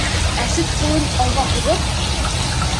Асет ҡулын алға һуҙып: